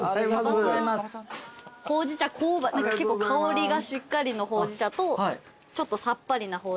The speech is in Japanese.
結構香りがしっかりのほうじ茶とちょっとさっぱりなほうじ茶。